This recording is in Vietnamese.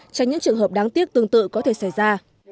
tránh những trường hợp đáng tiếc tương tự có thể xảy ra